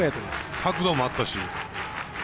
角度もあったし。